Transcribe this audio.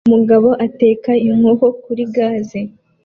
Umugabo ateka inkoko kuri gaz